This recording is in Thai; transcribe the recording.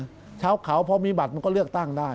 อย่าไปจับนะชาวเขาเพราะมีบัตรก็เลือกตั้งได้